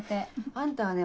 あんたはね